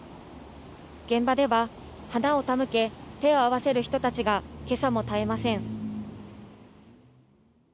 現場では、花を手向け、手を合わせる人たちがけさも絶えません。